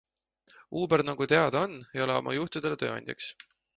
Uber, nagu teada on, ei ole oma juhtidele tööandjaks.